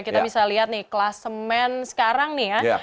kita bisa lihat nih kelas men sekarang nih ya